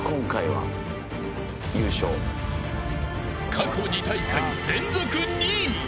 過去２大会、連続２位。